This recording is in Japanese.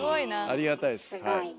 ありがたいですはい。